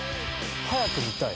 早く見たい！